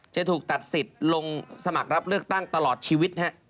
จะถูกตัดสิทธิ์ลงสมัครรับเลือกตั้งตลอดชีวิต